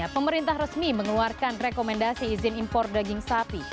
pemerintah resmi mengeluarkan rekomendasi izin impor daging sapi